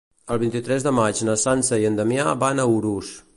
El vint-i-tres de maig na Sança i en Damià van a Urús.